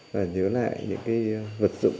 và nhớ lại những cái vật dụng